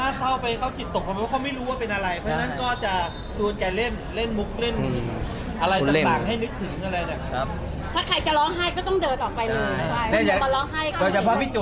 ใช่ก็มีมีรองเท้า๒๐พู่